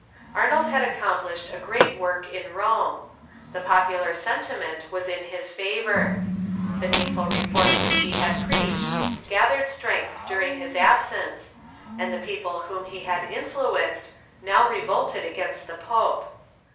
Arnold had accomplished a great work in Rome. The pop ular sentiment was in his favor. The needful reform which .„, he had preached gathered strensjth durinsr his Arnold s Return i *i , i i i i •^^ absence, and tlie people whom he had innuenced now revolted against the pope.